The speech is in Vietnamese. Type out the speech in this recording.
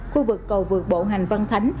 khu vực cầu vực bộ hành văn thánh